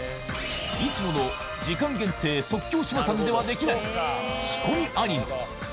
いつもの時間限定即興志麻さんではできない